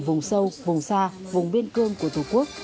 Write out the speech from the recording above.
vùng sâu vùng xa vùng biên cương của tổ quốc